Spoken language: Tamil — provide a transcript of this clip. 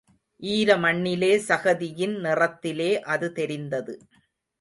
ஈரமண்ணிலே சகதியின் நிறத்திலே அது தெரிந்தது.